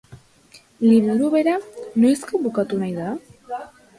Liburua bera noizko bukatu nahi da?